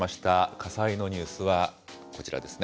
火災のニュースはこちらですね。